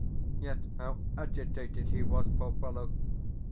Yet how agitated he was, poor fellow!